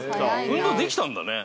運動できたんだね。